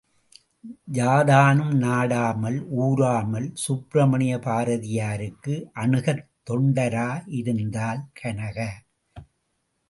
யாதானும் நாடாமால் ஊராமால் Subramaniya பாரதியாருக்கு அணுக்கத் தொண்டரா யிருந்ததால் Kanaka.